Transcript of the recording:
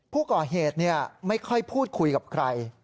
ผู้ก่อเหตุไม่ค่อยพูดคุยกับใคร